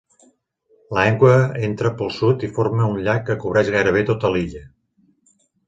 L'aigua entra pel sud i forma un llac que cobreix gairebé tota l'illa.